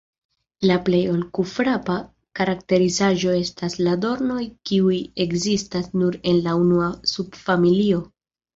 La plej okulfrapa karakterizaĵo estas la dornoj kiuj ekzistas nur en la unua subfamilio.